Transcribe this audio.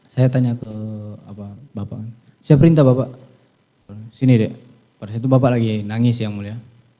saya tanya ke bapak saya perintah bapak sini deh pada saat itu bapak lagi nangis yang mulia